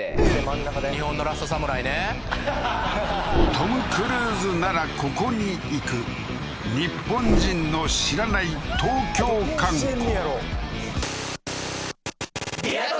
トム・クルーズならここに行く日本人の知らない東京観光リア突